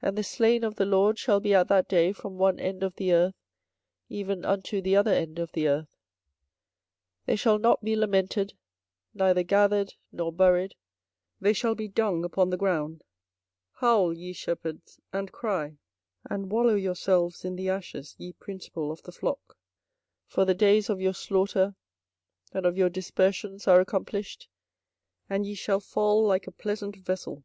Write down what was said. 24:025:033 And the slain of the LORD shall be at that day from one end of the earth even unto the other end of the earth: they shall not be lamented, neither gathered, nor buried; they shall be dung upon the ground. 24:025:034 Howl, ye shepherds, and cry; and wallow yourselves in the ashes, ye principal of the flock: for the days of your slaughter and of your dispersions are accomplished; and ye shall fall like a pleasant vessel.